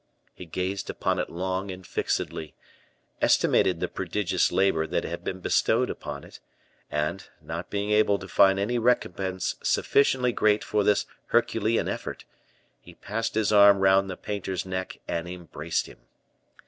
He gazed upon it long and fixedly, estimated the prodigious labor that had been bestowed upon it, and, not being able to find any recompense sufficiently great for this Herculean effort, he passed his arm round the painter's neck and embraced him.